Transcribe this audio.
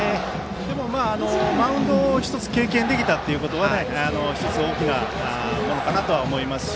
でも、マウンドを１つ経験できたことは１つ、大きなものかなとは思いますし。